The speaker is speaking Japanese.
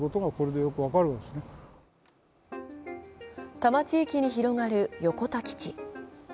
多摩地域に広がる横田基地。